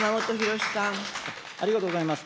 ありがとうございます。